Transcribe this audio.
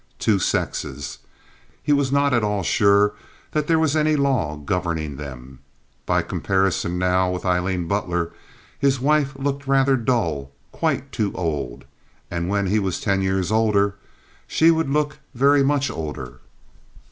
Two sexes. He was not at all sure that there was any law governing them. By comparison now with Aileen Butler, his wife looked rather dull, quite too old, and when he was ten years older she would look very much older.